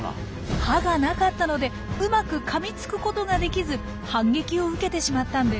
歯が無かったのでうまくかみつくことができず反撃を受けてしまったんです。